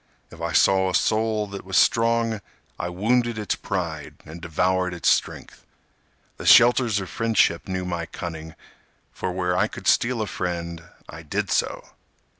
If I saw a soul that was strong I wounded its pride and devoured its strength. The shelters of friendship knew my cunning For where I could steal a friend I did so.